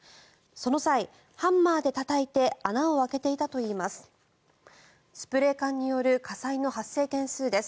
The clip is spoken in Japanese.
その際、ハンマーでたたいて穴を開けていたといいます。